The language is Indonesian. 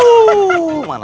manasin orang aja